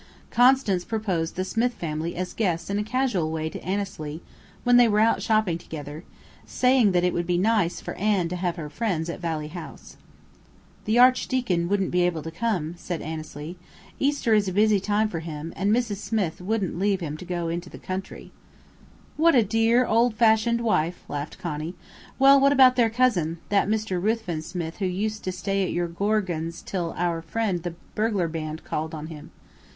Constance proposed the Smith family as guests in a casual way to Annesley when they were out shopping together, saying that it would be nice for Anne to have her friends at Valley House. "The Archdeacon wouldn't be able to come," said Annesley. "Easter is a busy time for him, and Mrs. Smith wouldn't leave him to go into the country." "What a dear, old fashioned wife!" laughed Connie. "Well, what about their cousin, that Mr. Ruthven Smith who used to stay at your 'gorgon's' till our friends the burglar band called on him?